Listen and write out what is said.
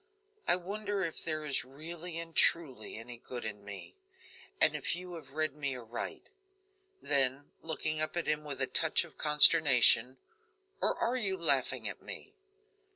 I wonder if there is really and truly any good in me, and if you have read me aright." Then looking up at him with a touch of consternation: "Or are you laughing at me?"